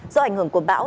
do ảnh hưởng của bão